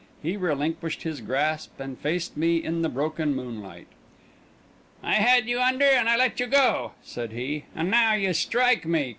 He relinquished his grasp, and faced me in the broken moonlight. "I had you under, and I let you go," said he; "and now you strike me!